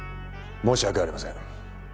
申し訳ありません。